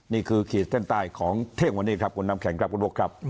นี่คือขีดเส้นใต้ของเทควันนี้ค่ะคุณนัมแข็งกับกระดูกครับ